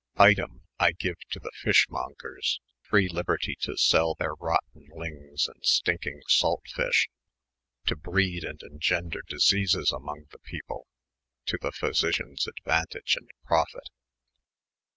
Item, I gene to the FishmoDgers, free libertee to sell their rotten lyngea & atinkyng satteiysh, to breede & engendre diseases among the people, to the phiBicions advaunt^e & proffit.